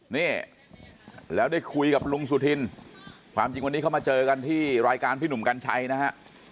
นี่แล้วได้คุยกับลุงสุธินความจริงวันนี้เขามาเจอกันที่รายการพี่หนุ่มกัญชัยนะฮะ